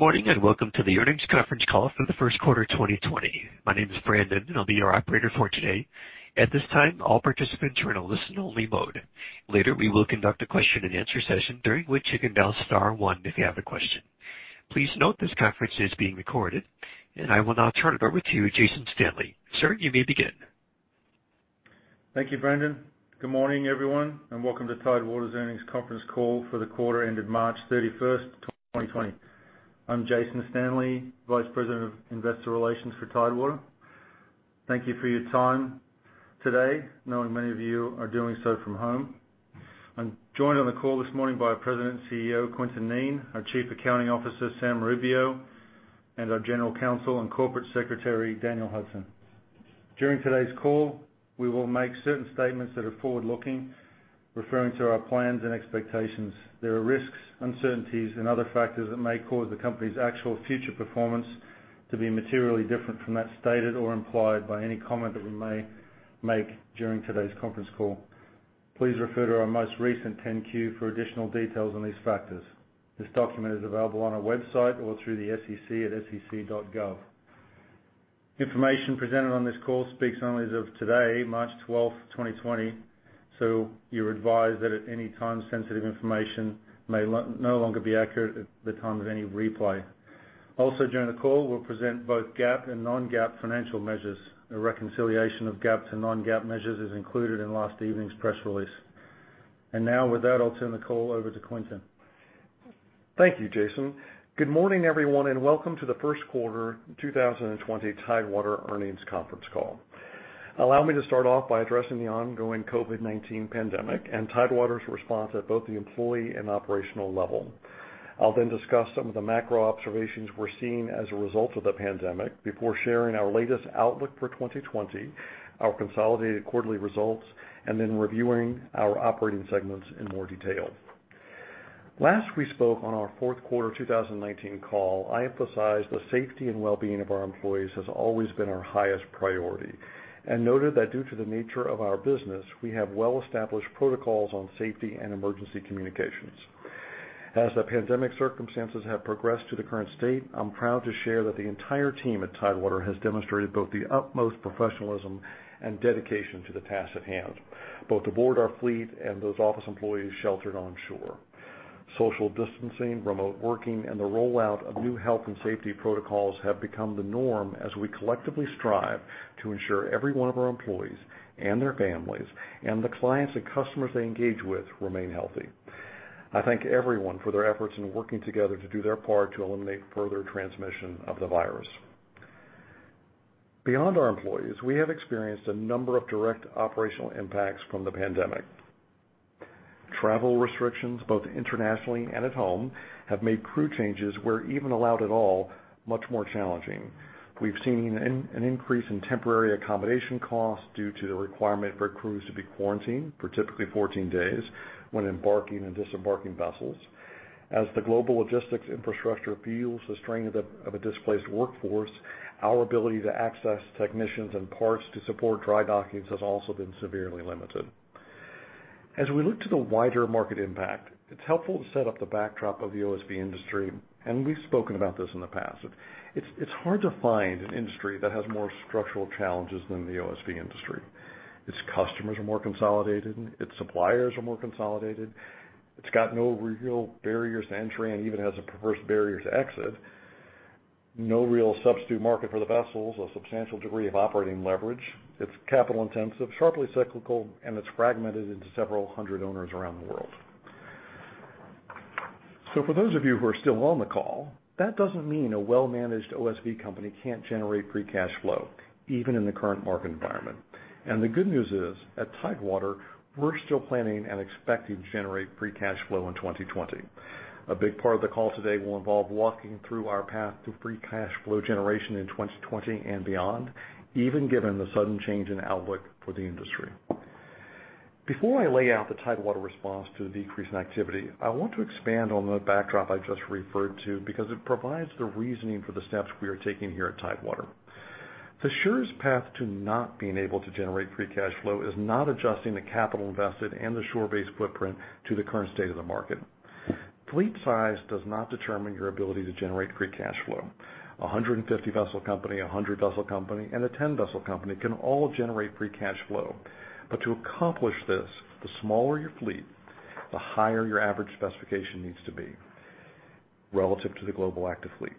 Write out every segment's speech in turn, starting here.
Good morning and welcome to the earnings conference call for the first quarter of 2020. My name is Brandon, and I'll be your operator for today. At this time, all participants are in a listen-only mode. Later, we will conduct a question-and-answer session during which you can press star one if you have a question. Please note this conference is being recorded, and I will now turn it over to you, Jason Stanley. Sir, you may begin. Thank you, Brandon. Good morning, everyone, and welcome to Tidewater's Earnings Conference Call for the Quarter ended March 31st, 2020. I'm Jason Stanley, Vice President of Investor Relations for Tidewater. Thank you for your time today, knowing many of you are doing so from home. I'm joined on the call this morning by President and CEO Quintin Kneen, our Chief Accounting Officer Sam Rubio, and our General Counsel and Corporate Secretary Daniel Hudson. During today's call, we will make certain statements that are forward-looking, referring to our plans and expectations. There are risks, uncertainties, and other factors that may cause the company's actual future performance to be materially different from that stated or implied by any comment that we may make during today's conference call. Please refer to our most recent 10-Q for additional details on these factors. This document is available on our website or through the SEC at sec.gov. Information presented on this call speaks only as of today, March 12, 2020, so you're advised that at any time, sensitive information may no longer be accurate at the time of any replay. Also, during the call, we'll present both GAAP and Non-GAAP financial measures. A reconciliation of GAAP to Non-GAAP measures is included in last evening's press release. And now, with that, I'll turn the call over to Quintin. Thank you, Jason. Good morning, everyone, and welcome to the first quarter 2020 Tidewater earnings conference call. Allow me to start off by addressing the ongoing COVID-19 pandemic and Tidewater's response at both the employee and operational level. I'll then discuss some of the macro observations we're seeing as a result of the pandemic before sharing our latest outlook for 2020, our consolidated quarterly results, and then reviewing our operating segments in more detail. Last we spoke on our fourth quarter 2019 call, I emphasized the safety and well-being of our employees has always been our highest priority and noted that due to the nature of our business, we have well-established protocols on safety and emergency communications. As the pandemic circumstances have progressed to the current state, I'm proud to share that the entire team at Tidewater has demonstrated both the utmost professionalism and dedication to the task at hand, both aboard our fleet and those office employees sheltered onshore. Social distancing, remote working, and the rollout of new health and safety protocols have become the norm as we collectively strive to ensure every one of our employees and their families and the clients and customers they engage with remain healthy. I thank everyone for their efforts in working together to do their part to eliminate further transmission of the virus. Beyond our employees, we have experienced a number of direct operational impacts from the pandemic. Travel restrictions, both internationally and at home, have made crew changes, where even allowed at all, much more challenging. We've seen an increase in temporary accommodation costs due to the requirement for crews to be quarantined for typically 14 days when embarking and disembarking vessels. As the global logistics infrastructure feels the strain of a displaced workforce, our ability to access technicians and parts to support dry dockings has also been severely limited. As we look to the wider market impact, it's helpful to set up the backdrop of the OSV industry, and we've spoken about this in the past. It's hard to find an industry that has more structural challenges than the OSV industry. Its customers are more consolidated. Its suppliers are more consolidated. It's got no real barriers to entry and even has a perverse barrier to exit. No real substitute market for the vessels, a substantial degree of operating leverage. It's capital intensive, sharply cyclical, and it's fragmented into several hundred owners around the world. So for those of you who are still on the call, that doesn't mean a well-managed OSV company can't generate free cash flow, even in the current market environment. And the good news is, at Tidewater, we're still planning and expecting to generate free cash flow in 2020. A big part of the call today will involve walking through our path to free cash flow generation in 2020 and beyond, even given the sudden change in outlook for the industry. Before I lay out the Tidewater response to the decrease in activity, I want to expand on the backdrop I just referred to because it provides the reasoning for the steps we are taking here at Tidewater. The sure path to not being able to generate free cash flow is not adjusting the capital invested and the shore-based footprint to the current state of the market. Fleet size does not determine your ability to generate free cash flow. A 150-vessel company, a 100-vessel company, and a 10-vessel company can all generate free cash flow. But to accomplish this, the smaller your fleet, the higher your average specification needs to be relative to the global active fleet.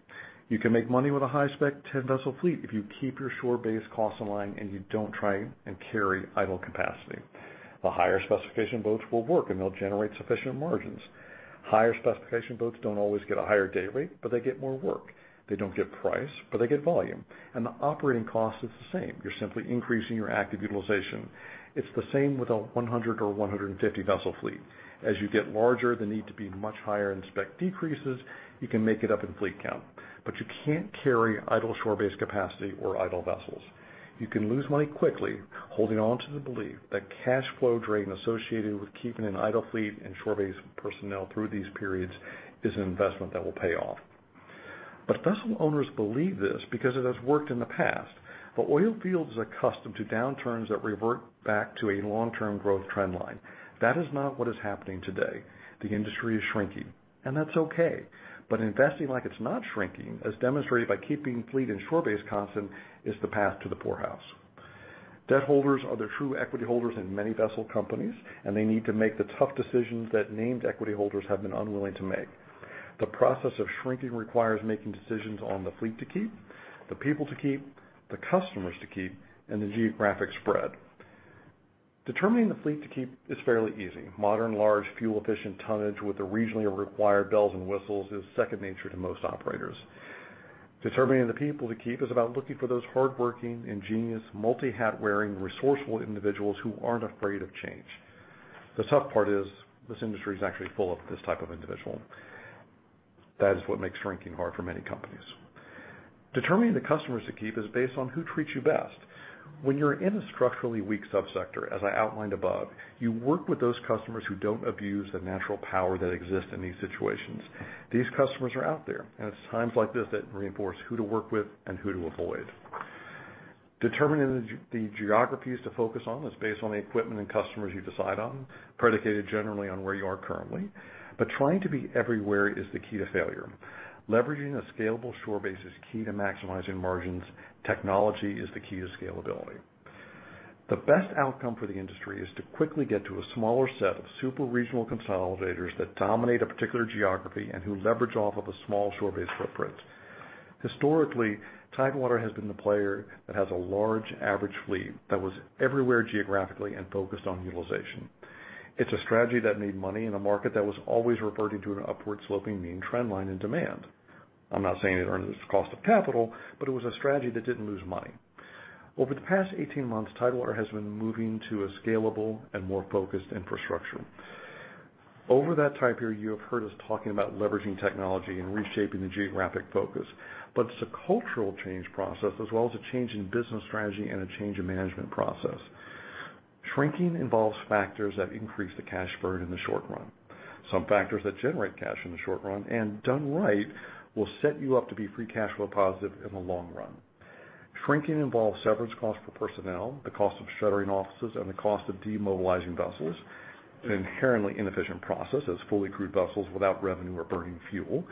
You can make money with a high-spec 10-vessel fleet if you keep your shore-based costs in line and you don't try and carry idle capacity. The higher specification boats will work, and they'll generate sufficient margins. Higher specification boats don't always get a higher day rate, but they get more work. They don't get price, but they get volume. And the operating cost is the same. You're simply increasing your active utilization. It's the same with a 100 or 150-vessel fleet. As you get larger, the need to be much higher in spec decreases. You can make it up in fleet count, but you can't carry idle shore-based capacity or idle vessels. You can lose money quickly holding on to the belief that cash flow drain associated with keeping an idle fleet and shore-based personnel through these periods is an investment that will pay off, but vessel owners believe this because it has worked in the past. The oil fields are accustomed to downturns that revert back to a long-term growth trendline. That is not what is happening today. The industry is shrinking, and that's okay, but investing like it's not shrinking, as demonstrated by keeping fleet and shore-based constant, is the path to the poorhouse. Debt holders are the true equity holders in many vessel companies, and they need to make the tough decisions that named equity holders have been unwilling to make. The process of shrinking requires making decisions on the fleet to keep, the people to keep, the customers to keep, and the geographic spread. Determining the fleet to keep is fairly easy. Modern, large, fuel-efficient tonnage with the regionally required bells and whistles is second nature to most operators. Determining the people to keep is about looking for those hardworking, ingenious, multi-hat-wearing, resourceful individuals who aren't afraid of change. The tough part is this industry is actually full of this type of individual. That is what makes shrinking hard for many companies. Determining the customers to keep is based on who treats you best. When you're in a structurally weak subsector, as I outlined above, you work with those customers who don't abuse the natural power that exists in these situations. These customers are out there, and it's times like this that reinforce who to work with and who to avoid. Determining the geographies to focus on is based on the equipment and customers you decide on, predicated generally on where you are currently. But trying to be everywhere is the key to failure. Leveraging a scalable shore base is key to maximizing margins. Technology is the key to scalability. The best outcome for the industry is to quickly get to a smaller set of super regional consolidators that dominate a particular geography and who leverage off of a small shore-based footprint. Historically, Tidewater has been the player that has a large average fleet that was everywhere geographically and focused on utilization. It's a strategy that made money in a market that was always reverting to an upward-sloping mean trendline in demand. I'm not saying it earned its cost of capital, but it was a strategy that didn't lose money. Over the past 18 months, Tidewater has been moving to a scalable and more focused infrastructure. Over that time period, you have heard us talking about leveraging technology and reshaping the geographic focus. But it's a cultural change process as well as a change in business strategy and a change in management process. Shrinking involves factors that increase the cash burn in the short run. Some factors that generate cash in the short run and, done right, will set you up to be free cash flow positive in the long run. Shrinking involves severance costs for personnel, the cost of shuttering offices, and the cost of demobilizing vessels. It's an inherently inefficient process as fully crewed vessels without revenue or burning fuel.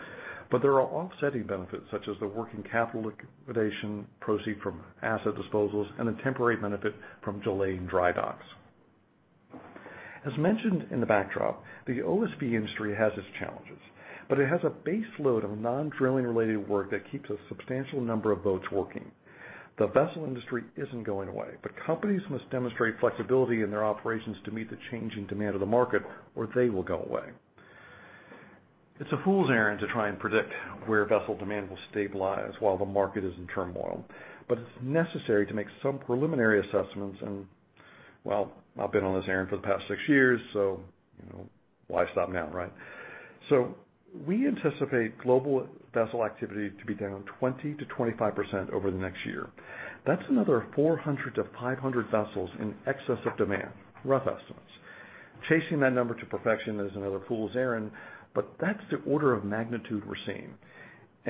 But there are offsetting benefits such as the working capital liquidation proceeds from asset disposals and the temporary benefit from delaying dry docks. As mentioned in the backlog, the OSV industry has its challenges, but it has a baseload of non-drilling-related work that keeps a substantial number of boats working. The vessel industry isn't going away, but companies must demonstrate flexibility in their operations to meet the changing demand of the market or they will go away. It's a fool's errand to try and predict where vessel demand will stabilize while the market is in turmoil, but it's necessary to make some preliminary assessments. And, well, I've been on this errand for the past six years, so why stop now, right? We anticipate global vessel activity to be down 20%-25% over the next year. That's another 400-500 vessels in excess of demand, rough estimates. Chasing that number to perfection is another fool's errand, but that's the order of magnitude we're seeing.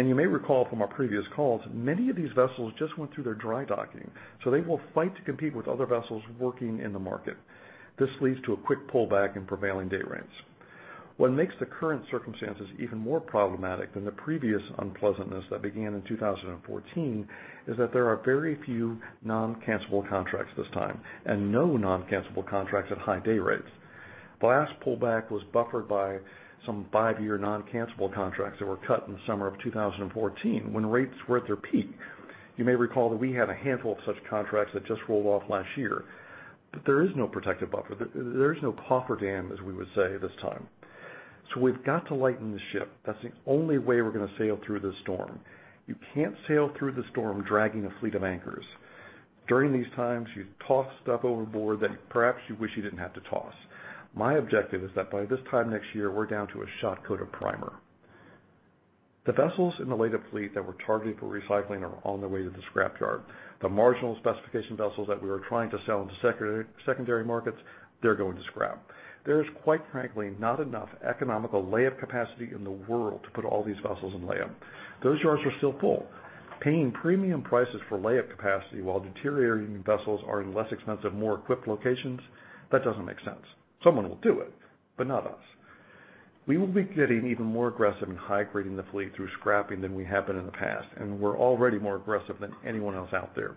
You may recall from our previous calls, many of these vessels just went through their dry docking, so they will fight to compete with other vessels working in the market. This leads to a quick pullback in prevailing day rates. What makes the current circumstances even more problematic than the previous unpleasantness that began in 2014 is that there are very few non-cancelable contracts this time and no non-cancelable contracts at high day rates. The last pullback was buffered by some five-year non-cancelable contracts that were cut in the summer of 2014 when rates were at their peak. You may recall that we had a handful of such contracts that just rolled off last year, but there is no protective buffer. There is no cofferdam, as we would say, this time. So we've got to lighten the ship. That's the only way we're going to sail through this storm. You can't sail through the storm dragging a fleet of anchors. During these times, you toss stuff overboard that perhaps you wish you didn't have to toss. My objective is that by this time next year, we're down to a shop coat of primer. The vessels in the lay-up fleet that were targeted for recycling are on their way to the scrapyard. The marginal specification vessels that we were trying to sell into secondary markets, they're going to scrap. There is, quite frankly, not enough economical lay-up capacity in the world to put all these vessels in lay-up. Those yards are still full. Paying premium prices for lay-up capacity while deteriorating vessels are in less expensive, more equipped locations, that doesn't make sense. Someone will do it, but not us. We will be getting even more aggressive in high-grading the fleet through scrapping than we have been in the past, and we're already more aggressive than anyone else out there.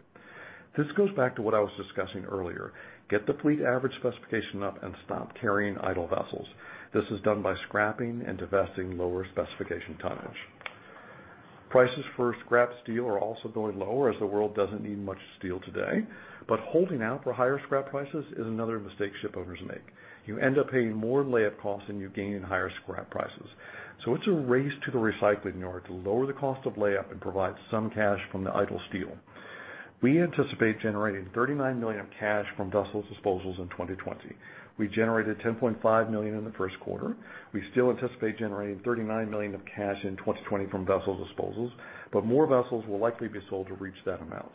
This goes back to what I was discussing earlier. Get the fleet average specification up and stop carrying idle vessels. This is done by scrapping and divesting lower specification tonnage. Prices for scrap steel are also going lower as the world doesn't need much steel today, but holding out for higher scrap prices is another mistake shipowners make. You end up paying more lay-up costs and you gain in higher scrap prices. It's a race to the recycling yard to lower the cost of lay-up and provide some cash from the idle steel. We anticipate generating $39 million of cash from vessel disposals in 2020. We generated $10.5 million in the first quarter. We still anticipate generating $39 million of cash in 2020 from vessel disposals, but more vessels will likely be sold to reach that amount.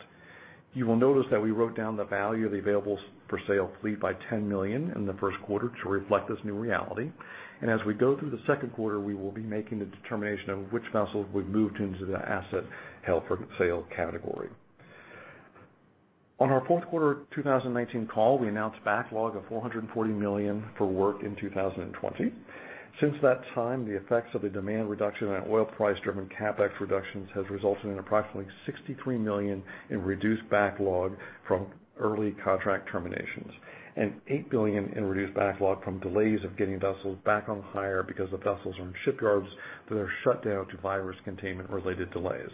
You will notice that we wrote down the value of the available for sale fleet by $10 million in the first quarter to reflect this new reality. And as we go through the second quarter, we will be making the determination of which vessels we've moved into the asset held for sale category. On our fourth quarter 2019 call, we announced backlog of $440 million for work in 2020. Since that time, the effects of the demand reduction and oil price-driven CapEx reductions have resulted in approximately $63 million in reduced backlog from early contract terminations and $8 billion in reduced backlog from delays of getting vessels back on hire because the vessels are in shipyards that are shut down to virus containment-related delays.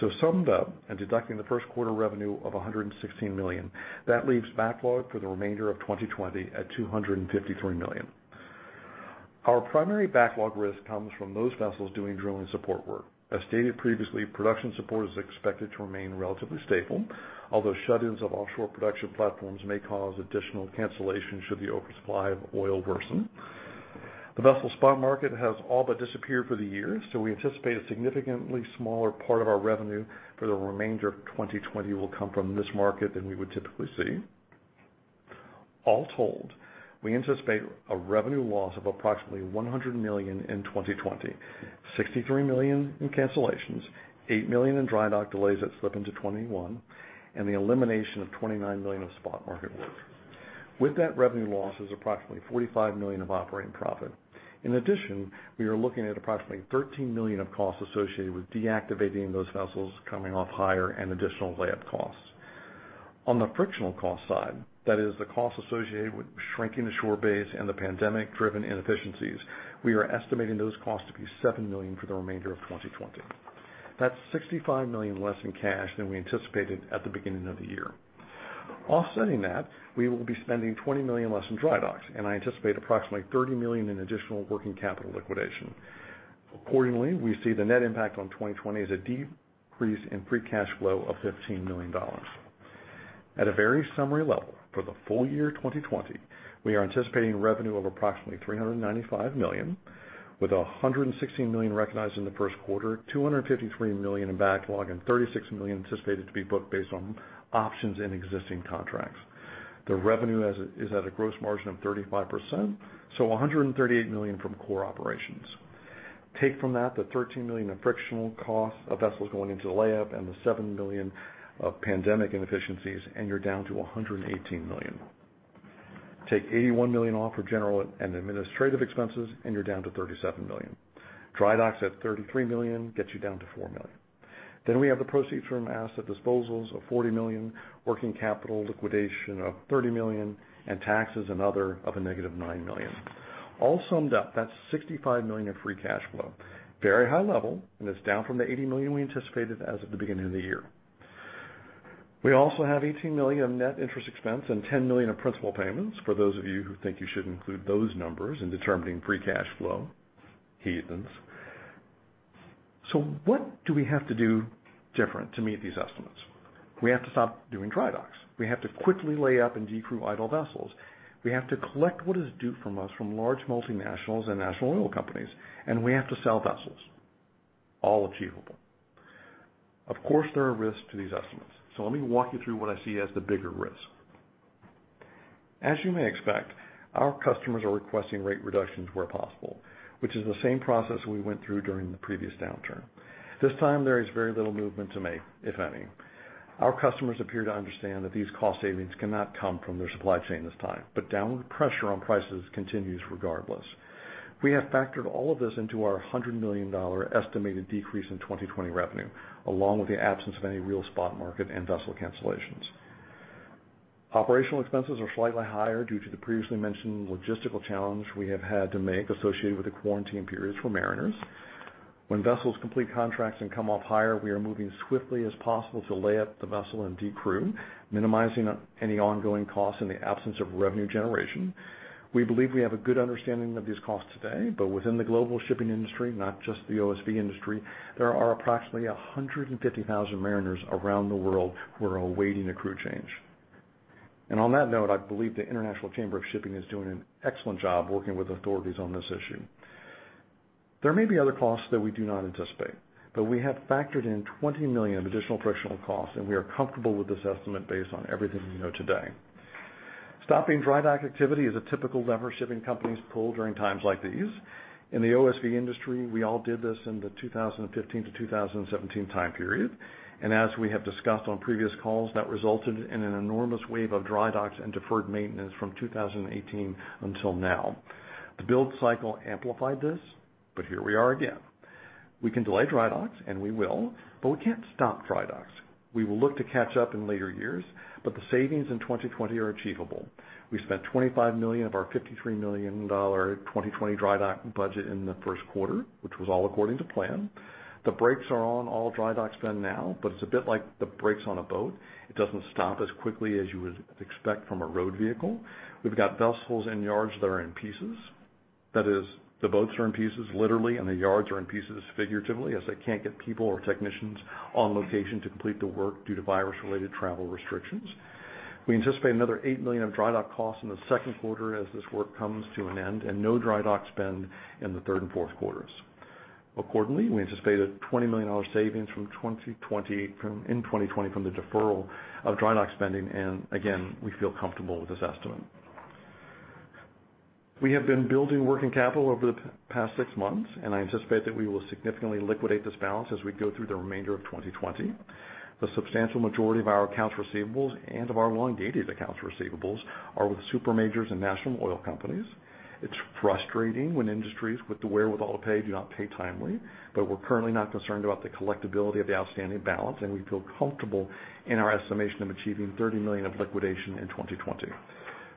So summed up and deducting the first quarter revenue of $116 million, that leaves backlog for the remainder of 2020 at $253 million. Our primary backlog risk comes from those vessels doing drilling support work. As stated previously, production support is expected to remain relatively stable, although shut-ins of offshore production platforms may cause additional cancellations should the oversupply of oil worsen. The vessel spot market has all but disappeared for the year, so we anticipate a significantly smaller part of our revenue for the remainder of 2020 will come from this market than we would typically see. All told, we anticipate a revenue loss of approximately $100 million in 2020, $63 million in cancellations, $8 million in dry dock delays that slip into 2021, and the elimination of $29 million of spot market work. With that revenue loss is approximately $45 million of operating profit. In addition, we are looking at approximately $13 million of costs associated with deactivating those vessels coming off hire and additional lay-up costs. On the frictional cost side, that is the cost associated with shrinking the shore base and the pandemic-driven inefficiencies, we are estimating those costs to be $7 million for the remainder of 2020. That's $65 million less in cash than we anticipated at the beginning of the year. Offsetting that, we will be spending $20 million less in dry docks, and I anticipate approximately $30 million in additional working capital liquidation. Accordingly, we see the net impact on 2020 as a decrease in free cash flow of $15 million. At a very summary level, for the full year 2020, we are anticipating revenue of approximately $395 million, with $116 million recognized in the first quarter, $253 million in backlog, and $36 million anticipated to be booked based on options in existing contracts. The revenue is at a gross margin of 35%, so $138 million from core operations. Take from that the $13 million of frictional costs of vessels going into lay-up and the $7 million of pandemic inefficiencies, and you're down to $118 million. Take $81 million off for general and administrative expenses, and you're down to $37 million. Dry docks at $33 million gets you down to $4 million. Then we have the proceeds from asset disposals of $40 million, working capital liquidation of $30 million, and taxes and other of a negative $9 million. All summed up, that's $65 million of free cash flow. Very high level, and it's down from the $80 million we anticipated as of the beginning of the year. We also have $18 million of net interest expense and $10 million of principal payments. For those of you who think you should include those numbers in determining free cash flow cadence. So what do we have to do different to meet these estimates? We have to stop doing dry docks. We have to quickly lay-up and decrew idle vessels. We have to collect what is due to us from large multinationals and national oil companies, and we have to sell vessels. All achievable. Of course, there are risks to these estimates, so let me walk you through what I see as the bigger risk. As you may expect, our customers are requesting rate reductions where possible, which is the same process we went through during the previous downturn. This time, there is very little movement to make, if any. Our customers appear to understand that these cost savings cannot come from their supply chain this time, but downward pressure on prices continues regardless. We have factored all of this into our $100 million estimated decrease in 2020 revenue, along with the absence of any real spot market and vessel cancellations. Operational expenses are slightly higher due to the previously mentioned logistical challenge we have had to make associated with the quarantine periods for mariners. When vessels complete contracts and come off-hire, we are moving as swiftly as possible to lay-up the vessel and decrew, minimizing any ongoing costs in the absence of revenue generation. We believe we have a good understanding of these costs today, but within the global shipping industry, not just the OSV industry, there are approximately 150,000 mariners around the world who are awaiting a crew change. And on that note, I believe the International Chamber of Shipping is doing an excellent job working with authorities on this issue. There may be other costs that we do not anticipate, but we have factored in $20 million of additional frictional costs, and we are comfortable with this estimate based on everything we know today. Stopping dry dock activity is a typical lever shipping companies pull during times like these. In the OSV industry, we all did this in the 2015 to 2017 time period, and as we have discussed on previous calls, that resulted in an enormous wave of dry docks and deferred maintenance from 2018 until now. The build cycle amplified this, but here we are again. We can delay dry docks, and we will, but we can't stop dry docks. We will look to catch up in later years, but the savings in 2020 are achievable. We spent $25 million of our $53 million 2020 dry dock budget in the first quarter, which was all according to plan. The brakes are on all dry docks there now, but it's a bit like the brakes on a boat. It doesn't stop as quickly as you would expect from a road vehicle. We've got vessels and yards that are in pieces. That is, the boats are in pieces, literally, and the yards are in pieces figuratively as they can't get people or technicians on location to complete the work due to virus-related travel restrictions. We anticipate another $8 million of dry dock costs in the second quarter as this work comes to an end and no dry dock spend in the third and fourth quarters. Accordingly, we anticipate a $20 million savings in 2020 from the deferral of dry dock spending, and again, we feel comfortable with this estimate. We have been building working capital over the past six months, and I anticipate that we will significantly liquidate this balance as we go through the remainder of 2020. The substantial majority of our accounts receivables and of our long-dated accounts receivables are with super majors and national oil companies. It's frustrating when industries with the wherewithal to pay do not pay timely, but we're currently not concerned about the collectibility of the outstanding balance, and we feel comfortable in our estimation of achieving $30 million of liquidation in 2020.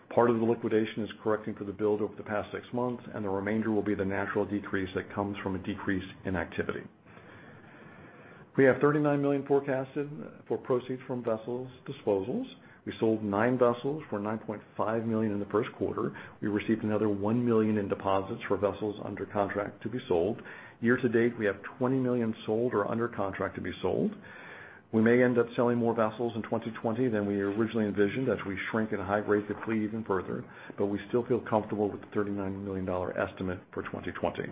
Part of the liquidation is correcting for the build over the past six months, and the remainder will be the natural decrease that comes from a decrease in activity. We have $39 million forecasted for proceeds from vessels disposals. We sold nine vessels for $9.5 million in the first quarter. We received another $1 million in deposits for vessels under contract to be sold. Year to date, we have $20 million sold or under contract to be sold. We may end up selling more vessels in 2020 than we originally envisioned as we shrink and high-grade the fleet even further, but we still feel comfortable with the $39 million estimate for 2020.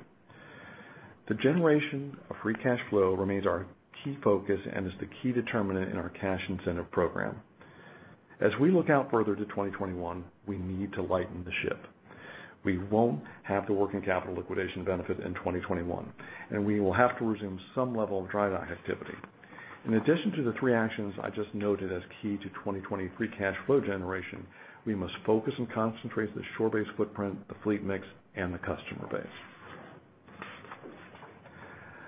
The generation of free cash flow remains our key focus and is the key determinant in our cash incentive program. As we look out further to 2021, we need to lighten the ship. We won't have the working capital liquidation benefit in 2021, and we will have to resume some level of dry dock activity. In addition to the three actions I just noted as key to 2020 free cash flow generation, we must focus and concentrate the shore base footprint, the fleet mix, and the customer base.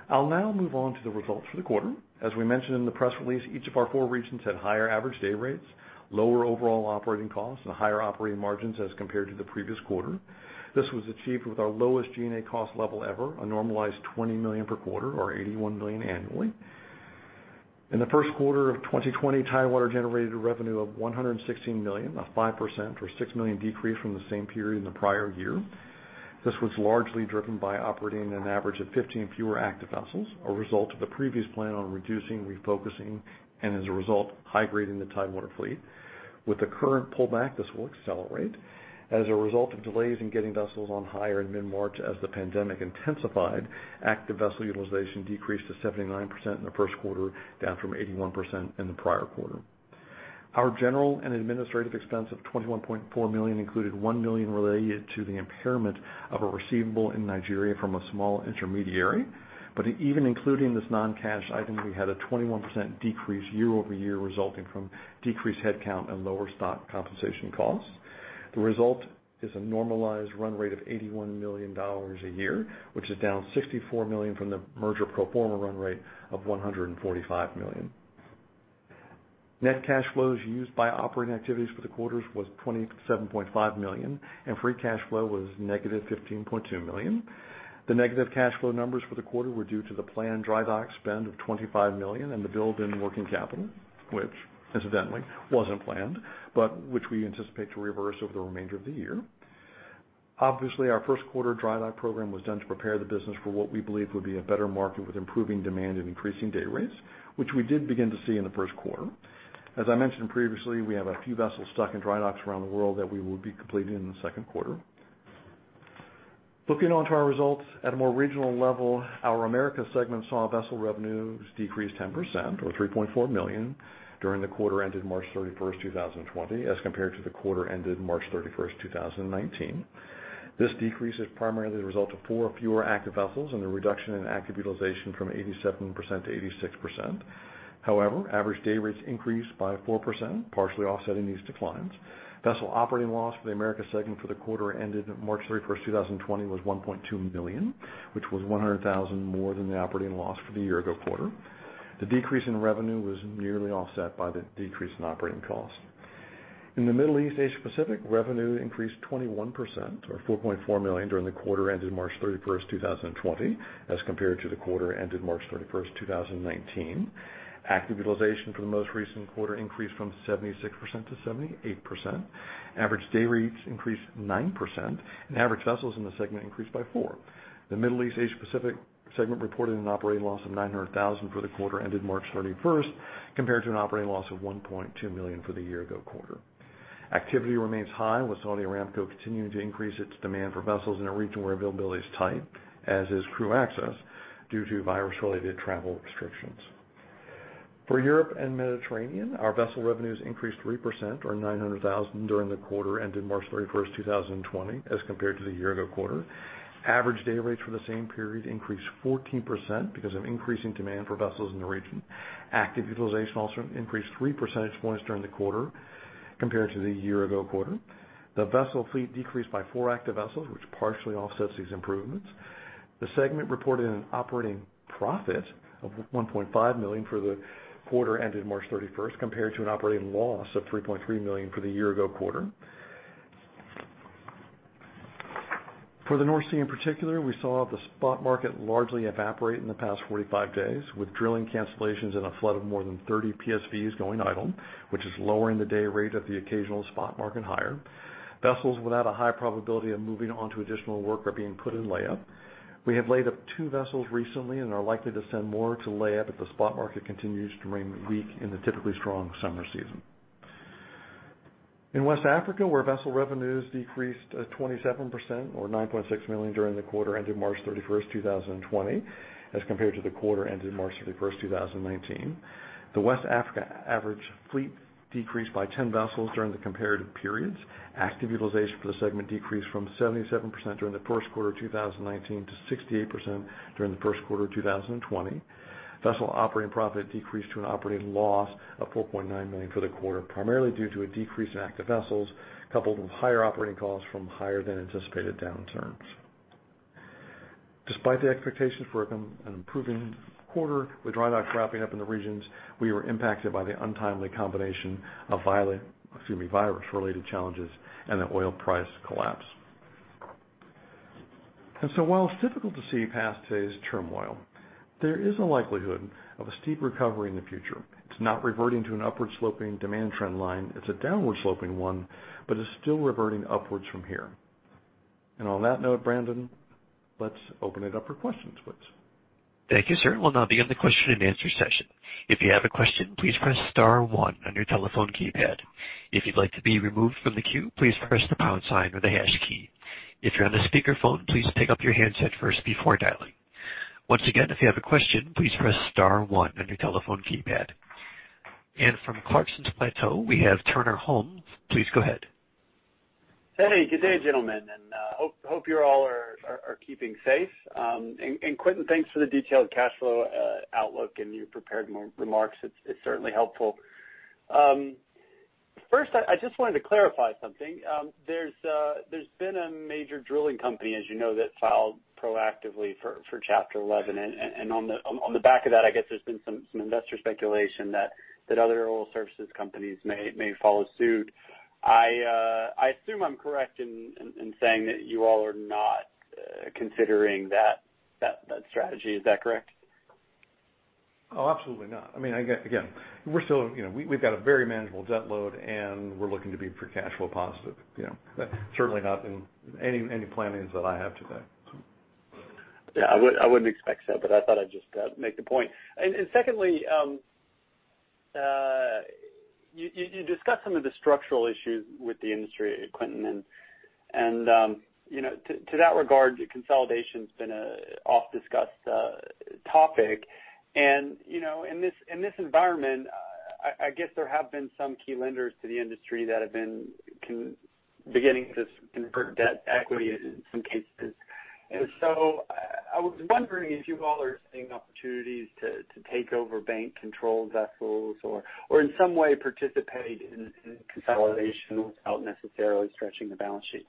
I'll now move on to the results for the quarter. As we mentioned in the press release, each of our four regions had higher average day rates, lower overall operating costs, and higher operating margins as compared to the previous quarter. This was achieved with our lowest G&A cost level ever, a normalized $20 million per quarter or $81 million annually. In the first quarter of 2020, Tidewater generated a revenue of $116 million, a 5% or $6 million decrease from the same period in the prior year. This was largely driven by operating an average of 15 fewer active vessels, a result of the previous plan on reducing, refocusing, and as a result, high-grading the Tidewater fleet. With the current pullback, this will accelerate. As a result of delays in getting vessels on hire in mid-March, as the pandemic intensified, active vessel utilization decreased to 79% in the first quarter, down from 81% in the prior quarter. Our general and administrative expense of $21.4 million included $1 million related to the impairment of a receivable in Nigeria from a small intermediary, but even including this non-cash item, we had a 21% decrease year over year resulting from decreased headcount and lower stock compensation costs. The result is a normalized run rate of $81 million a year, which is down $64 million from the merger pro forma run rate of $145 million. Net cash flows used by operating activities for the quarters was $27.5 million, and free cash flow was -$15.2 million. The negative cash flow numbers for the quarter were due to the planned dry dock spend of $25 million and the buildup in working capital, which, incidentally, wasn't planned, but which we anticipate to reverse over the remainder of the year. Obviously, our first quarter dry dock program was done to prepare the business for what we believe would be a better market with improving demand and increasing day rates, which we did begin to see in the first quarter. As I mentioned previously, we have a few vessels stuck in dry docks around the world that we will be completing in the second quarter. Looking on to our results, at a more regional level, our America segment saw vessel revenues decrease 10% or $3.4 million during the quarter ended March 31st, 2020, as compared to the quarter ended March 31st, 2019. This decrease is primarily the result of four fewer active vessels and the reduction in active utilization from 87%-86%. However, average day rates increased by 4%, partially offsetting these declines. Vessel operating loss for the America segment for the quarter ended March 31st, 2020, was $1.2 million, which was $100,000 more than the operating loss for the year ago quarter. The decrease in revenue was nearly offset by the decrease in operating costs. In the Middle East, Asia Pacific, revenue increased 21% or $4.4 million during the quarter ended March 31st, 2020, as compared to the quarter ended March 31st, 2019. Active utilization for the most recent quarter increased from 76%-78%. Average day rates increased 9%, and average vessels in the segment increased by four. The Middle East, Asia Pacific segment reported an operating loss of $900,000 for the quarter ended March 31st, compared to an operating loss of $1.2 million for the year ago quarter. Activity remains high, with Saudi Aramco continuing to increase its demand for vessels in a region where availability is tight, as is crew access, due to virus-related travel restrictions. For Europe and Mediterranean, our vessel revenues increased 3% or $900,000 during the quarter ended March 31st, 2020, as compared to the year ago quarter. Average day rates for the same period increased 14% because of increasing demand for vessels in the region. Active utilization also increased 3 percentage points during the quarter compared to the year ago quarter. The vessel fleet decreased by four active vessels, which partially offsets these improvements. The segment reported an operating profit of $1.5 million for the quarter ended March 31st, compared to an operating loss of $3.3 million for the year ago quarter. For the North Sea in particular, we saw the spot market largely evaporate in the past 45 days, with drilling cancellations and a flood of more than 30 PSVs going idle, which is lowering the day rate of the occasional spot market hire. Vessels without a high probability of moving on to additional work are being put in lay-up. We have laid up two vessels recently and are likely to send more to lay-up if the spot market continues to remain weak in the typically strong summer season. In West Africa, where vessel revenues decreased 27% or $9.6 million during the quarter ended March 31st, 2020, as compared to the quarter ended March 31st, 2019. The West Africa average fleet decreased by 10 vessels during the comparative periods. Active utilization for the segment decreased from 77% during the first quarter of 2019 to 68% during the first quarter of 2020. Vessel operating profit decreased to an operating loss of $4.9 million for the quarter, primarily due to a decrease in active vessels coupled with higher operating costs from higher-than-anticipated downturns. Despite the expectations for an improving quarter, with dry docks wrapping up in the regions, we were impacted by the untimely combination of virus-related challenges and the oil price collapse. And so, while it's difficult to see past today's turmoil, there is a likelihood of a steep recovery in the future. It's not reverting to an upward-sloping demand trend line. It's a downward-sloping one, but it's still reverting upwards from here. And on that note, Brandon, let's open it up for questions, please. Thank you, sir. We'll now begin the question-and-answer session. If you have a question, please press star one on your telephone keypad. If you'd like to be removed from the queue, please press the pound sign or the hash key. If you're on a speakerphone, please pick up your handset first before dialing. Once again, if you have a question, please press star one on your telephone keypad. From Clarksons Platou, we have Turner Holm. Please go ahead. Hey, good day, gentlemen. Hope you all are keeping safe. Quintin, thanks for the detailed cash flow outlook and your prepared remarks. It's certainly helpful. First, I just wanted to clarify something. There's been a major drilling company, as you know, that filed proactively for Chapter 11. On the back of that, I guess there's been some investor speculation that other oil services companies may follow suit. I assume I'm correct in saying that you all are not considering that strategy. Is that correct? Oh, absolutely not. I mean, again, we're still, we've got a very manageable debt load, and we're looking to be cash flow positive. Certainly not in any planning that I have today. Yeah, I wouldn't expect so, but I thought I'd just make the point. And secondly, you discussed some of the structural issues with the industry, Quintin. And to that regard, consolidation has been an oft-discussed topic. And in this environment, I guess there have been some key lenders to the industry that have been beginning to convert debt to equity in some cases. And so I was wondering if you all are seeing opportunities to take over bank-controlled vessels or in some way participate in consolidation without necessarily stretching the balance sheet?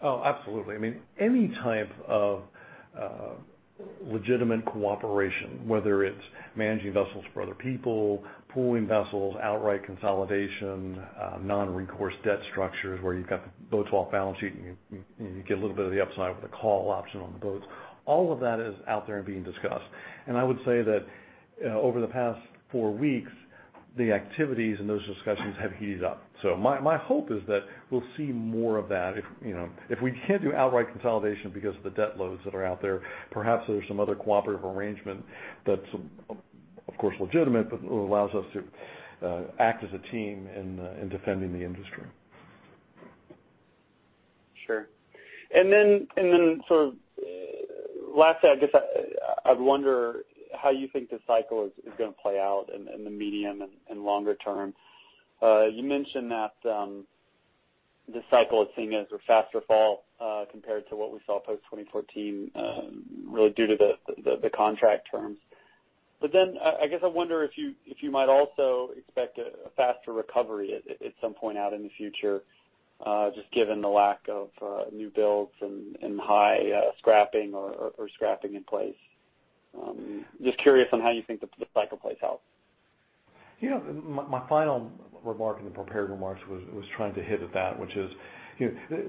Oh, absolutely. I mean, any type of legitimate cooperation, whether it's managing vessels for other people, pooling vessels, outright consolidation, non-recourse debt structures where you've got the boats off balance sheet and you get a little bit of the upside with a call option on the boats, all of that is out there and being discussed. And I would say that over the past four weeks, the activities and those discussions have heated up. So my hope is that we'll see more of that. If we can't do outright consolidation because of the debt loads that are out there, perhaps there's some other cooperative arrangement that's, of course, legitimate, but allows us to act as a team in defending the industry. Sure. And then sort of lastly, I guess I'd wonder how you think the cycle is going to play out in the medium and longer term. You mentioned that the cycle is seen as a faster fall compared to what we saw post-2014, really due to the contract terms. But then I guess I wonder if you might also expect a faster recovery at some point out in the future, just given the lack of new builds and high scrapping or scrapping in place. Just curious on how you think the cycle plays out. Yeah, my final remark in the prepared remarks was trying to hit at that, which is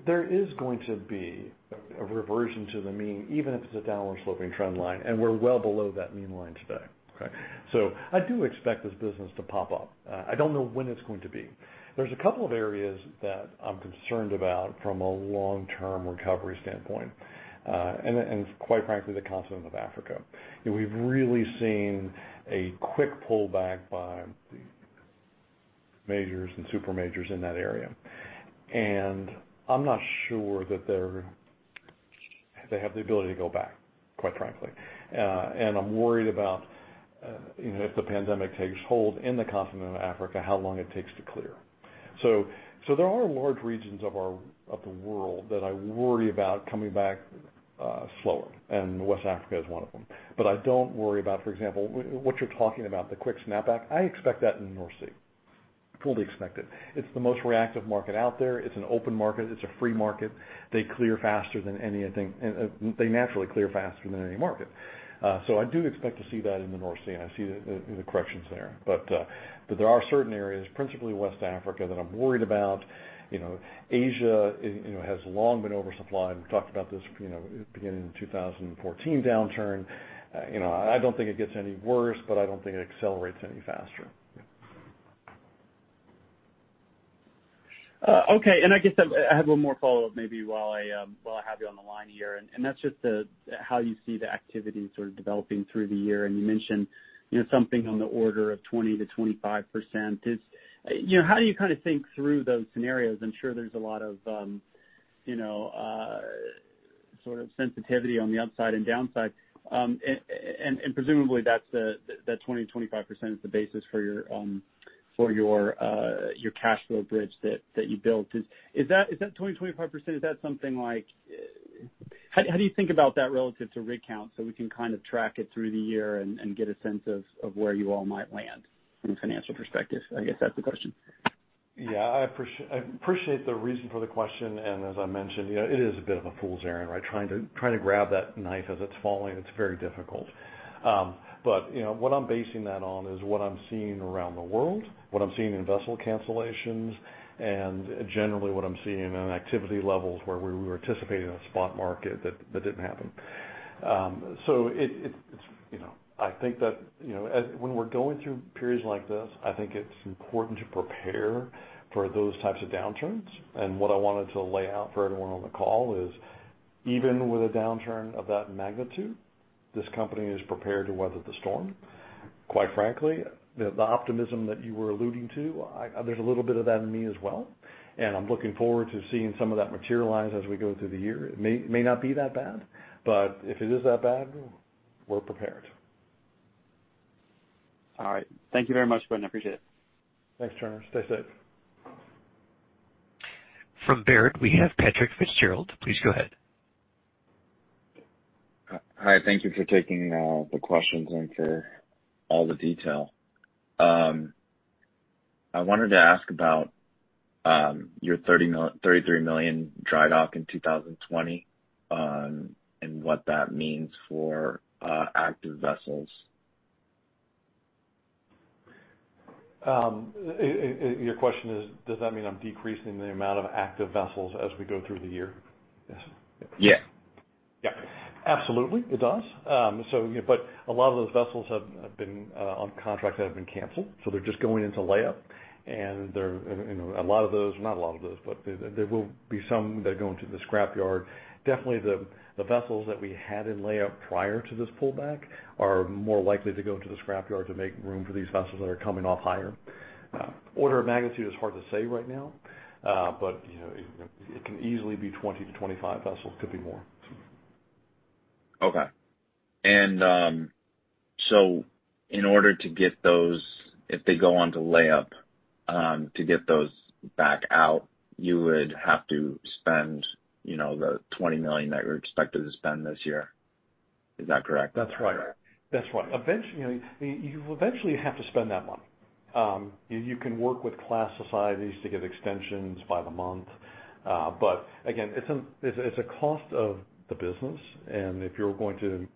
there is going to be a reversion to the mean, even if it's a downward-sloping trend line, and we're well below that mean line today. Okay? So I do expect this business to pop up. I don't know when it's going to be. There's a couple of areas that I'm concerned about from a long-term recovery standpoint, and quite frankly, the continent of Africa. We've really seen a quick pullback by the majors and super majors in that area, and I'm not sure that they have the ability to go back, quite frankly, and I'm worried about if the pandemic takes hold in the continent of Africa, how long it takes to clear, so there are large regions of the world that I worry about coming back slower, and West Africa is one of them, but I don't worry about, for example, what you're talking about, the quick snapback, I expect that in the North Sea, fully expected, it's the most reactive market out there, it's an open market, it's a free market, they clear faster than anything, they naturally clear faster than any market, so I do expect to see that in the North Sea, I see the corrections there, but there are certain areas, principally West Africa, that I'm worried about. Asia has long been oversupplied. We talked about this beginning in 2014 downturn. I don't think it gets any worse, but I don't think it accelerates any faster. Okay. And I guess I have one more follow-up maybe while I have you on the line here. And that's just how you see the activity sort of developing through the year. And you mentioned something on the order of 20%-25%. How do you kind of think through those scenarios? I'm sure there's a lot of sort of sensitivity on the upside and downside. And presumably, that 20%-25% is the basis for your cash flow bridge that you built. Is that 20%-25%, is that something like how do you think about that relative to rig count so we can kind of track it through the year and get a sense of where you all might land from a financial perspective? I guess that's the question. Yeah, I appreciate the reason for the question. And as I mentioned, it is a bit of a fool's errand, right? Trying to grab that knife as it's falling, it's very difficult. But what I'm basing that on is what I'm seeing around the world, what I'm seeing in vessel cancellations, and generally what I'm seeing in activity levels where we were anticipating a spot market that didn't happen. So I think that when we're going through periods like this, I think it's important to prepare for those types of downturns. What I wanted to lay out for everyone on the call is, even with a downturn of that magnitude, this company is prepared to weather the storm. Quite frankly, the optimism that you were alluding to, there's a little bit of that in me as well. And I'm looking forward to seeing some of that materialize as we go through the year. It may not be that bad, but if it is that bad, we're prepared. All right. Thank you very much, Quintin. I appreciate it. Thanks, Turner. Stay safe. From Baird, we have Patrick Fitzgerald. Please go ahead. Hi. Thank you for taking the questions and for all the detail. I wanted to ask about your $33 million dry dock in 2020 and what that means for active vessels. Your question is, does that mean I'm decreasing the amount of active vessels as we go through the year? Yes. Yeah. Yeah. Absolutely. It does. But a lot of those vessels have been on contract that have been canceled. So they're just going into lay-up. And a lot of those, not a lot of those, but there will be some that go into the scrapyard. Definitely, the vessels that we had in lay-up prior to this pullback are more likely to go into the scrapyard to make room for these vessels that are coming off higher. Order of magnitude is hard to say right now, but it can easily be 20 to 25 vessels, could be more. Okay. And so in order to get those, if they go on to lay-up, to get those back out, you would have to spend the $20 million that you're expected to spend this year. Is that correct? That's right. That's right. You eventually have to spend that money. You can work with class societies to get extensions by the month. But again, it's a cost of the business. And if you're going to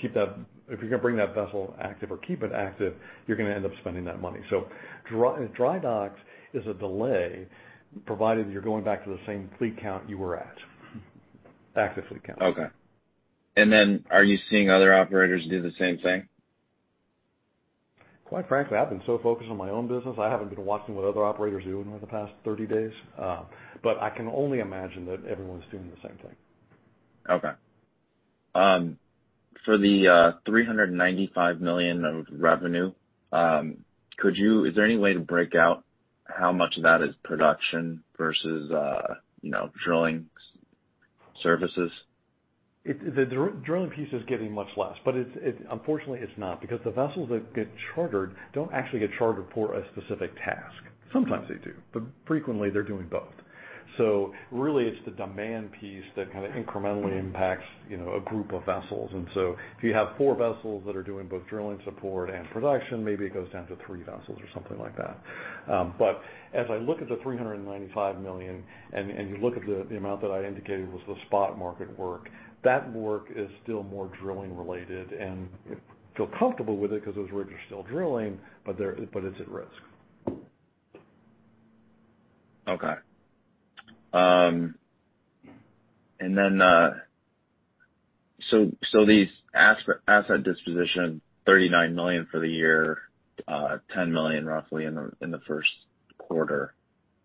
keep that, if you're going to bring that vessel active or keep it active, you're going to end up spending that money. So dry dock is a delay, provided you're going back to the same fleet count you were at, active fleet count. Okay. And then are you seeing other operators do the same thing? Quite frankly, I've been so focused on my own business, I haven't been watching what other operators are doing over the past 30 days. But I can only imagine that everyone's doing the same thing. Okay. For the $395 million of revenue, is there any way to break out how much of that is production versus drilling services? The drilling piece is getting much less, but unfortunately, it's not because the vessels that get chartered don't actually get chartered for a specific task. Sometimes they do, but frequently, they're doing both. So really, it's the demand piece that kind of incrementally impacts a group of vessels. And so if you have four vessels that are doing both drilling support and production, maybe it goes down to three vessels or something like that. But as I look at the $395 million and you look at the amount that I indicated was the spot market work, that work is still more drilling related. And feel comfortable with it because those rigs are still drilling, but it's at risk. Okay. And then so these asset disposition, $39 million for the year, $10 million roughly in the first quarter.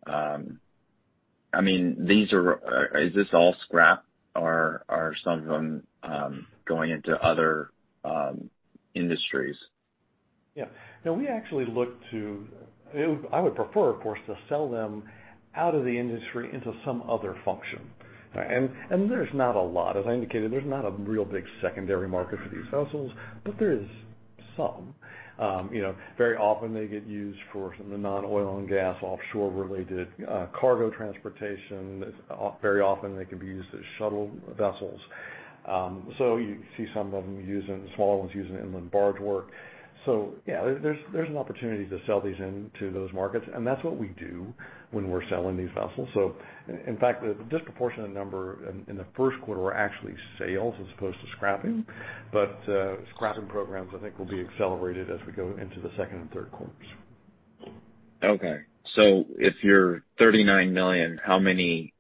I mean, is this all scrap? Are some of them going into other industries? Yeah. Now, we actually look to. I would prefer, of course, to sell them out of the industry into some other function. And there's not a lot. As I indicated, there's not a real big secondary market for these vessels, but there is some. Very often, they get used for some of the non-oil and gas offshore-related cargo transportation. Very often, they can be used as shuttle vessels. So you see some of them using smaller ones using inland barge work. So yeah, there's an opportunity to sell these into those markets. And that's what we do when we're selling these vessels. So in fact, the disproportionate number in the first quarter were actually sales as opposed to scrapping. But scrapping programs, I think, will be accelerated as we go into the second and third quarters. Okay. So if you're $39 million, how many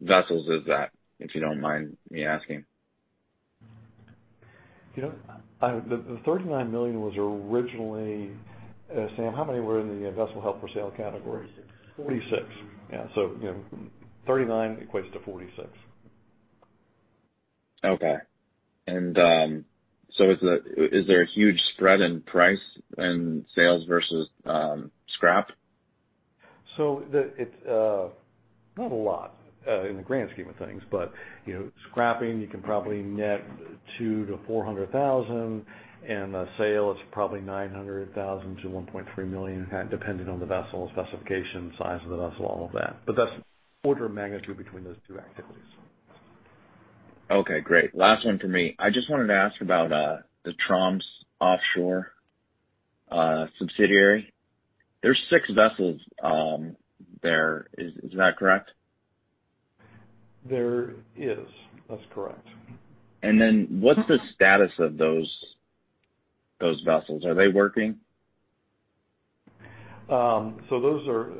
vessels is that, if you don't mind me asking? The $39 million was originally Sam, how many were in the vessel held for sale category? 46. 46. Yeah. So $39 million equates to 46. Okay. And so is there a huge spread in price and sales versus scrap? So not a lot in the grand scheme of things, but scrapping, you can probably net $200,000-$400,000. And the sale is probably $900,000-$1.3 million, depending on the vessel specification, size of the vessel, all of that. But that's order of magnitude between those two activities. Okay. Great. Last one for me. I just wanted to ask about the Troms Offshore subsidiary. There's six vessels there. Is that correct? There is. That's correct. And then what's the status of those vessels? Are they working? So those are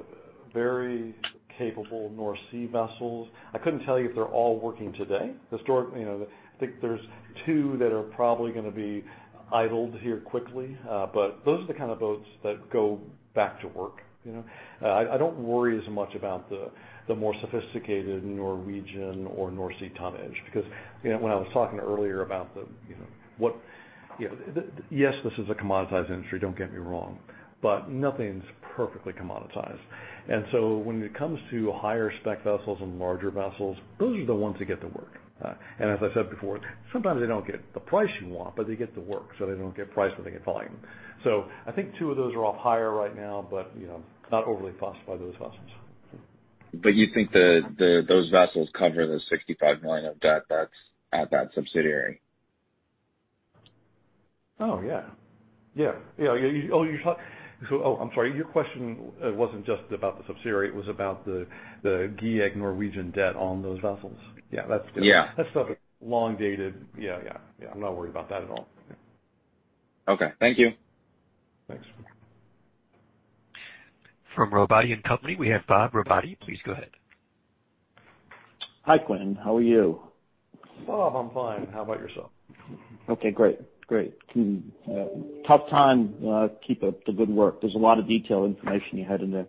very capable North Sea vessels. I couldn't tell you if they're all working today. I think there's two that are probably going to be idled here quickly. But those are the kind of boats that go back to work. I don't worry as much about the more sophisticated Norwegian or North Sea tonnage because when I was talking earlier about, yes, this is a commoditized industry, don't get me wrong, but nothing's perfectly commoditized. And so when it comes to higher spec vessels and larger vessels, those are the ones that get the work. And as I said before, sometimes they don't get the price you want, but they get the work. So they don't get price, but they get volume. So I think two of those are off-hire right now, but not overly fussed by those vessels. But you think those vessels cover the $65 million of debt that's at that subsidiary? Oh, yeah. Yeah. Oh, I'm sorry. Your question wasn't just about the subsidiary. It was about the GIEK Norwegian debt on those vessels. Yeah. That's stuff that's long-dated. Yeah. I'm not worried about that at all. Okay. Thank you. Thanks. From Robotti & Company, we have Bob Robotti. Please go ahead. Hi, Quinn. How are you? Bob, I'm fine. How about yourself? Okay. Great. Great. Tough time keeping up the good work. There's a lot of detailed information you had in there.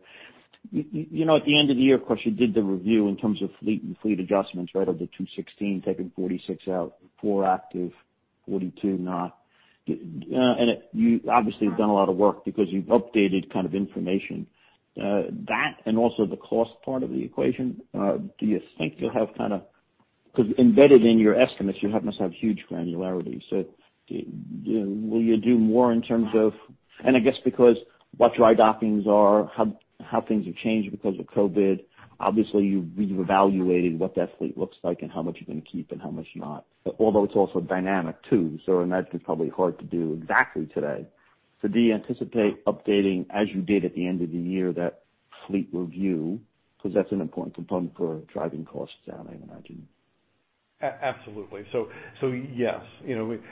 At the end of the year, of course, you did the review in terms of fleet and fleet adjustments, right? Of the 216, taking 46 out, 4 active, 42 not. You obviously have done a lot of work because you've updated kind of information. That and also the cost part of the equation, do you think you'll have kind of because embedded in your estimates, you must have huge granularity. So will you do more in terms of and I guess because what dry dockings are, how things have changed because of COVID, obviously, you've evaluated what that fleet looks like and how much you're going to keep and how much not. Although it's also dynamic too. I imagine it's probably hard to do exactly today. Do you anticipate updating, as you did at the end of the year, that fleet review? Because that's an important component for driving costs down, I imagine. Absolutely. Yes.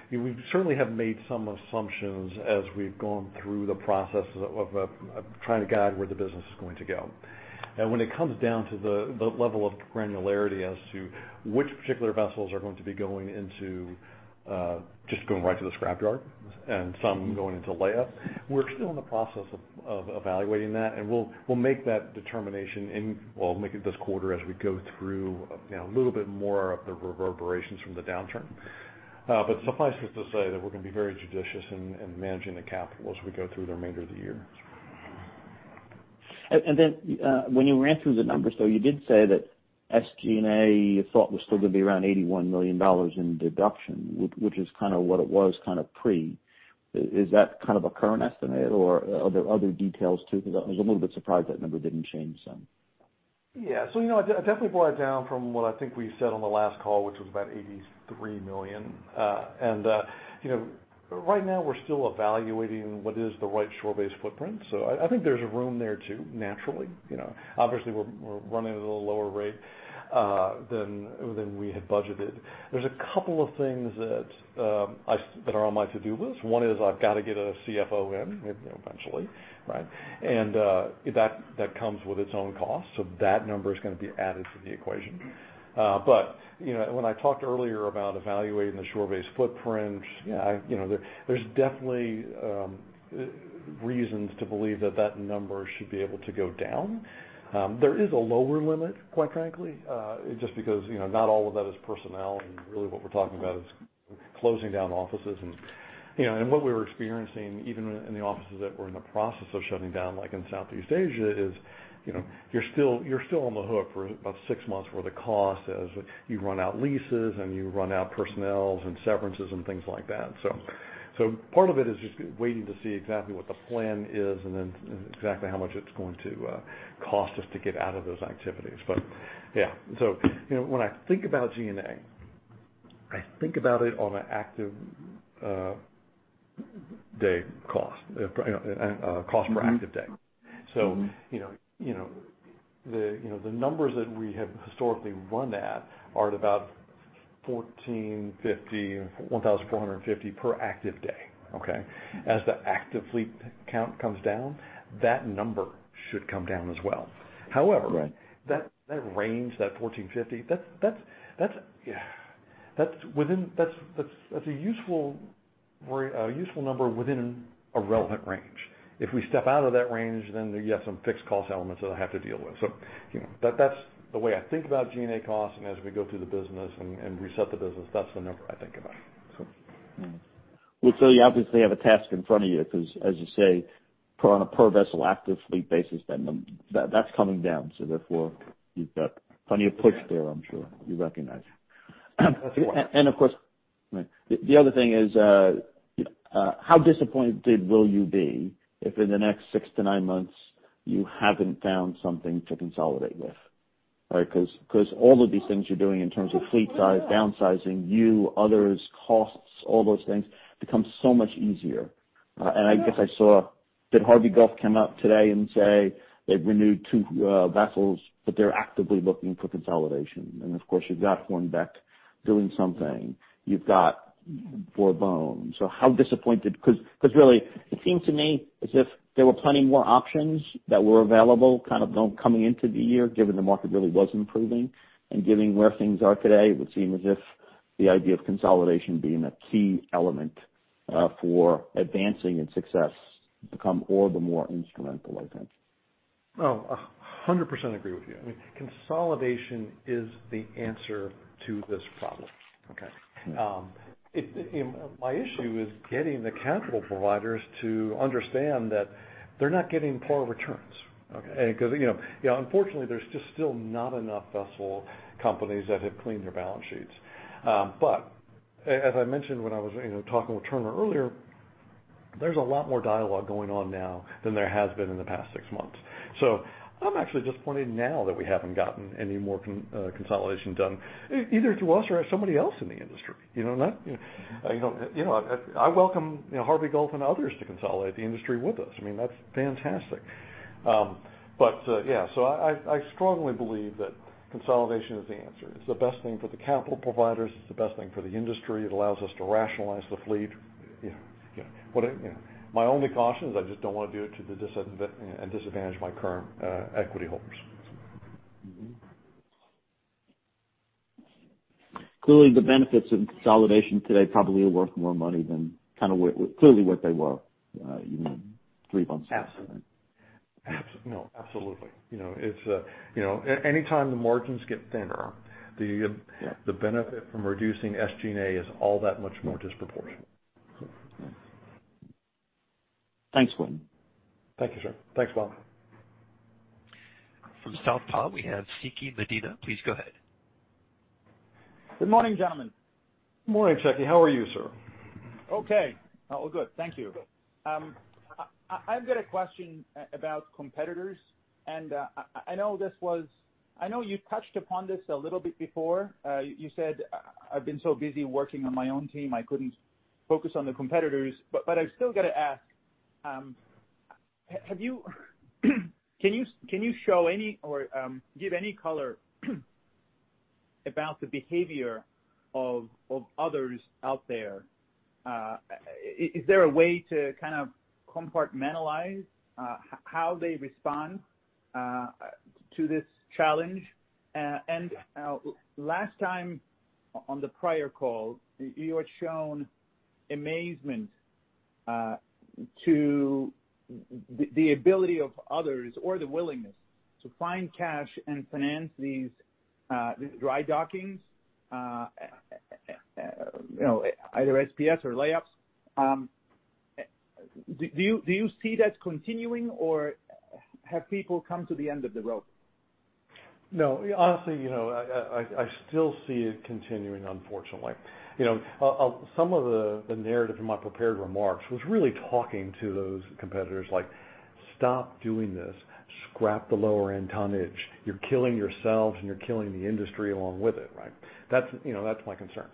We certainly have made some assumptions as we've gone through the process of trying to guide where the business is going to go. When it comes down to the level of granularity as to which particular vessels are going to be going into just going right to the scrapyard and some going into lay-up, we're still in the process of evaluating that. We'll make that determination in, well, make it this quarter as we go through a little bit more of the reverberations from the downturn. But suffice it to say that we're going to be very judicious in managing the capital as we go through the remainder of the year. Then when you ran through the numbers, though, you did say that SG&A thought was still going to be around $81 million in deduction, which is kind of what it was kind of pre. Is that kind of a current estimate or are there other details too? Because I was a little bit surprised that number didn't change some. Yeah. So I definitely brought it down from what I think we said on the last call, which was about $83 million. And right now, we're still evaluating what is the right shore-based footprint. So I think there's room there too, naturally. Obviously, we're running at a lower rate than we had budgeted. There's a couple of things that are on my to-do list. One is I've got to get a CFO in eventually, right? And that comes with its own cost. So that number is going to be added to the equation. But when I talked earlier about evaluating the shore-based footprint, yeah, there's definitely reasons to believe that that number should be able to go down. There is a lower limit, quite frankly, just because not all of that is personnel. And really, what we're talking about is closing down offices. What we were experiencing, even in the offices that were in the process of shutting down, like in Southeast Asia, is you're still on the hook for about six months for the cost as you run out leases and you run out personnel and severances and things like that. Part of it is just waiting to see exactly what the plan is and then exactly how much it's going to cost us to get out of those activities. Yeah. When I think about G&A, I think about it on an active day cost, cost per active day. The numbers that we have historically run at are at about 1,450 per active day. Okay? As the active fleet count comes down, that number should come down as well. However, that range, that 1,450, that's a useful number within a relevant range. If we step out of that range, then you have some fixed cost elements that I have to deal with. So that's the way I think about G&A costs. And as we go through the business and reset the business, that's the number I think about. Well, so you obviously have a task in front of you because, as you say, on a per-vessel active fleet basis, that's coming down. So therefore, you've got plenty of push there, I'm sure you recognize. That's correct. And of course, the other thing is how disappointed will you be if in the next six to nine months, you haven't found something to consolidate with? Because all of these things you're doing in terms of fleet size, downsizing, you, others, costs, all those things become so much easier. And I guess I saw that Harvey Gulf came out today and said they've renewed two vessels, but they're actively looking for consolidation. And of course, you've got Hornbeck doing something. You've got Bourbon. So how disappointed? Because really, it seemed to me as if there were plenty more options that were available kind of coming into the year, given the market really was improving. And given where things are today, it would seem as if the idea of consolidation being a key element for advancing and success becomes all the more instrumental, I think. Oh, 100% agree with you. I mean, consolidation is the answer to this problem. Okay. My issue is getting the capital providers to understand that they're not getting poor returns. Okay? Because unfortunately, there's just still not enough vessel companies that have cleaned their balance sheets. But as I mentioned when I was talking with Turner earlier, there's a lot more dialogue going on now than there has been in the past six months. So I'm actually disappointed now that we haven't gotten any more consolidation done, either through us or somebody else in the industry. You know what? I welcome Harvey Gulf and others to consolidate the industry with us. I mean, that's fantastic. But yeah. So I strongly believe that consolidation is the answer. It's the best thing for the capital providers. It's the best thing for the industry. It allows us to rationalize the fleet. My only caution is I just don't want to do it to disadvantage my current equity holders. Clearly, the benefits of consolidation today probably are worth more money than kind of clearly what they were three months ago. Absolutely. Absolutely. It's anytime the margins get thinner, the benefit from reducing SG&A is all that much more disproportionate. Thanks, Quinn. Thank you, sir. Thanks, Bob. From, we have. Please go ahead. Good morning, gentlemen. Good morning. How are you, sir? Okay. All good. Thank you. I've got a question about competitors. And I know you touched upon this a little bit before. You said, "I've been so busy working on my own team, I couldn't focus on the competitors." But I still got to ask, can you show any or give any color about the behavior of others out there? Is there a way to kind of compartmentalize how they respond to this challenge? And last time on the prior call, you had shown amazement to the ability of others or the willingness to find cash and finance these dry dockings, either PSVs or lay-ups. Do you see that continuing, or have people come to the end of the rope? No. Honestly, I still see it continuing, unfortunately. Some of the narrative in my prepared remarks was really talking to those competitors like, "Stop doing this. Scrap the lower-end tonnage. You're killing yourselves, and you're killing the industry along with it," right? That's my concern.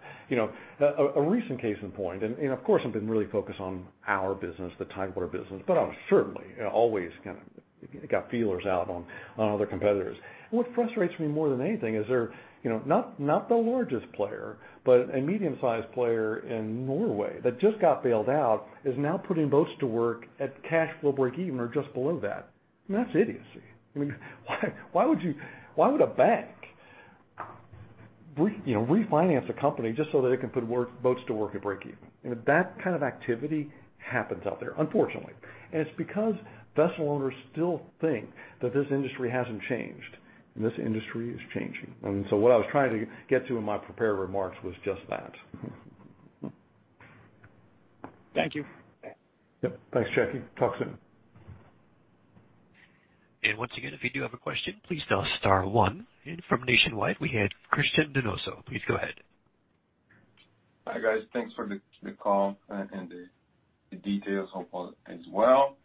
A recent case in point, and of course, I've been really focused on our business, the Tidewater business, but I've certainly always kind of got feelers out on other competitors. What frustrates me more than anything is they're not the largest player, but a medium-sized player in Norway that just got bailed out is now putting boats to work at cash flow break-even or just below that. And that's idiocy. I mean, why would a bank refinance a company just so that it can put boats to work at break-even? That kind of activity happens out there, unfortunately. And it's because vessel owners still think that this industry hasn't changed, and this industry is changing. And so what I was trying to get to in my prepared remarks was just that. Thank you. Yep. Thanks. Talk soon. And once again, if you do have a question, please press star one. And from Nationwide, we had Cristian Donoso. Please go ahead. Hi guys. Thanks for the call and the details as well.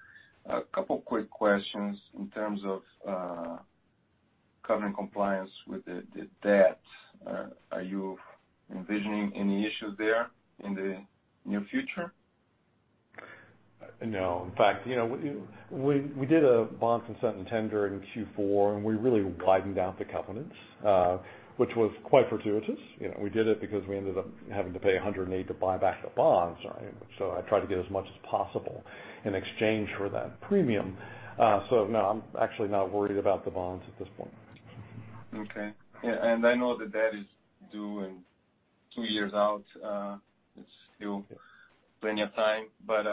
A couple of quick questions in terms of covenant compliance with the debt. Are you envisioning any issues there in the near future? No. In fact, we did a bond consent and tender in Q4, and we really widened out the covenants, which was quite fortuitous. We did it because we ended up having to pay 108 to buy back the bonds. So I tried to get as much as possible in exchange for that premium. So no, I'm actually not worried about the bonds at this point. Okay. And I know that that is due in two years out. It's still plenty of time. But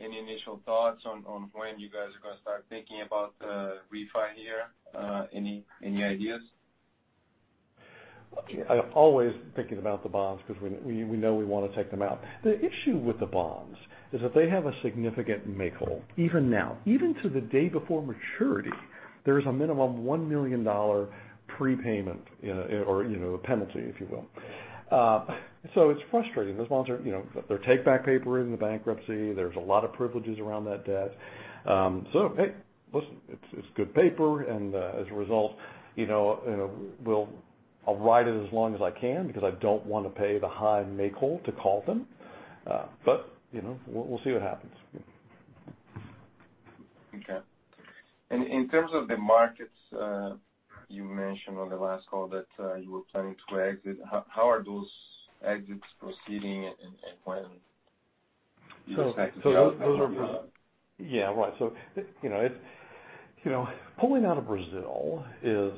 any initial thoughts on when you guys are going to start thinking about the refi here? Any ideas? I'm always thinking about the bonds because we know we want to take them out. The issue with the bonds is that they have a significant make-whole. Even now, even to the day before maturity, there is a minimum $1 million prepayment or a penalty, if you will. So it's frustrating. Those bonds are their take-back paper in the bankruptcy. There's a lot of privileges around that debt. So hey, listen, it's good paper. And as a result, I'll ride it as long as I can because I don't want to pay the high make-whole to call them. But we'll see what happens. Okay. In terms of the markets, you mentioned on the last call that you were planning to exit. How are those exits proceeding and when you expect to get out of that? Yeah. Right. So pulling out of Brazil is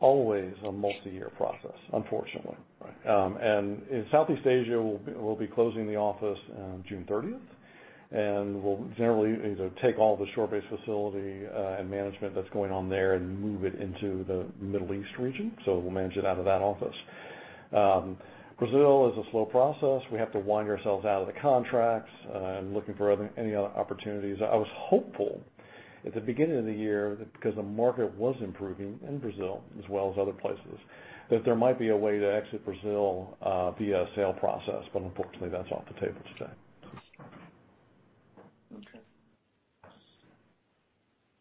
always a multi-year process, unfortunately. In Southeast Asia, we'll be closing the office on June 30th. And we'll generally take all the shore-based facility and management that's going on there and move it into the Middle East region. So we'll manage it out of that office. Brazil is a slow process. We have to wind ourselves out of the contracts and looking for any other opportunities. I was hopeful at the beginning of the year because the market was improving in Brazil as well as other places, that there might be a way to exit Brazil via a sale process. But unfortunately, that's off the table today.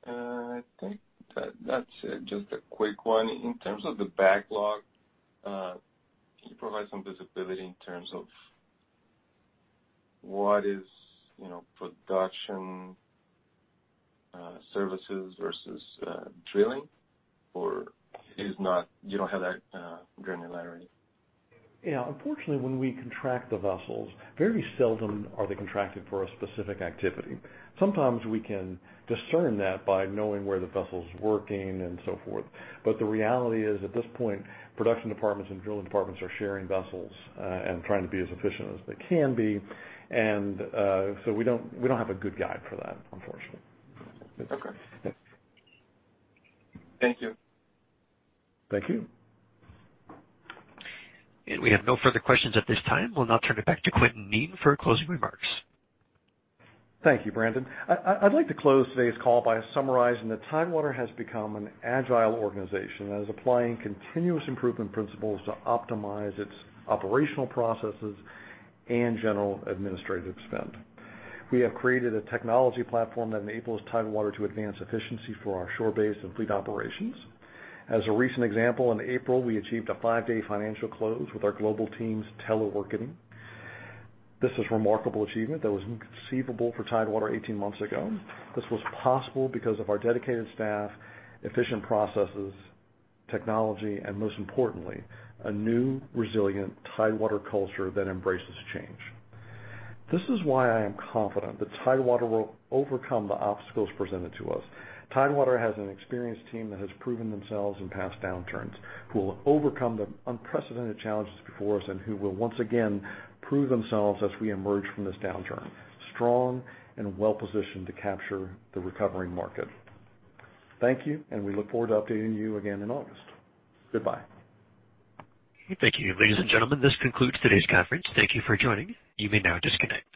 Okay. I think that's just a quick one. In terms of the backlog, can you provide some visibility in terms of what is production services versus drilling or you don't have that granularity? Yeah. Unfortunately, when we contract the vessels, very seldom are they contracted for a specific activity. Sometimes we can discern that by knowing where the vessel's working and so forth. But the reality is, at this point, production departments and drilling departments are sharing vessels and trying to be as efficient as they can be. And so we don't have a good guide for that, unfortunately. Okay. Thank you. Thank you. And we have no further questions at this time. We'll now turn it back to Quintin Kneen for closing remarks. Thank you, Brandon. I'd like to close today's call by summarizing that Tidewater has become an agile organization that is applying continuous improvement principles to optimize its operational processes and general administrative spend. We have created a technology platform that enables Tidewater to advance efficiency for our shore-based and fleet operations. As a recent example, in April, we achieved a five-day financial close with our global teams teleworking. This is a remarkable achievement that was conceivable for Tidewater 18 months ago. This was possible because of our dedicated staff, efficient processes, technology, and most importantly, a new resilient Tidewater culture that embraces change. This is why I am confident that Tidewater will overcome the obstacles presented to us. Tidewater has an experienced team that has proven themselves in past downturns, who will overcome the unprecedented challenges before us, and who will once again prove themselves as we emerge from this downturn, strong and well-positioned to capture the recovering market. Thank you, and we look forward to updating you again in August. Goodbye. Thank you. Ladies and gentlemen, this concludes today's conference. Thank you for joining. You may now disconnect.